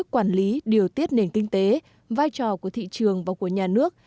quản lý điều tiết nền kinh tế vai trò của thị trường và của nhà nước